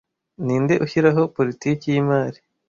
Ninde ushyiraho politiki yimari